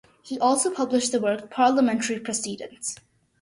He also published the work "Parliamentary Precedents".